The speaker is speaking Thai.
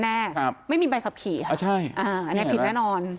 ไทม์ไม่มีใบขับขี่อ่ะอันนี้ผิดแน่นอน